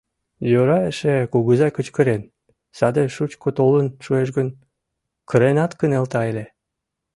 Йӧра эше кугызай кычкырен — саде шучко толын шуэш гын, кыренат кынелта ыле.